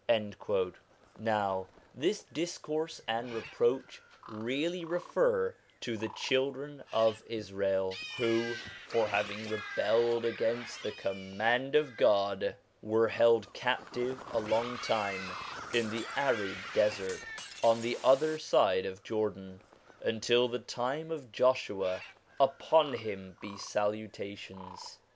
Now this discourse and reproach really refer to the children of Israel, who, for having rebelled against the command of God, were held captive a long time in the arid desert, on the other side of Jordan, until the time of Joshua upon him be salutations.